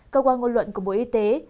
cơ quan ngôn luận của bộ y tế